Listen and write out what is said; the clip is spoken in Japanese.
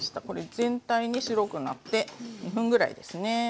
これ全体に白くなって２分ぐらいですね